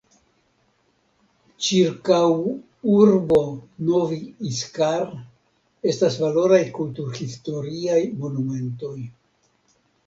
Ĉirkaŭ urbo Novi Iskar estas valoraj kulturhistoriaj monumentoj.